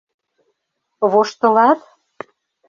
— Воштылат?